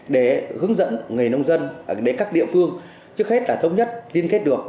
để hướng dẫn người nông dân đến các địa phương trước hết là thống nhất liên kết được